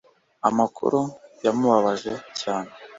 amakuru yamubabaje cyane